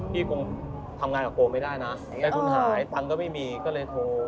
คงทำงานกับโกไม่ได้นะเงินทุนหายตังค์ก็ไม่มีก็เลยโทร